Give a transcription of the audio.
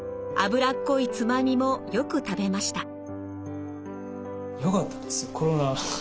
脂っこいつまみもよく食べました。